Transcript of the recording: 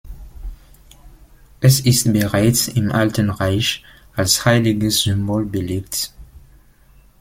Es ist bereits im Alten Reich als heiliges Symbol belegt.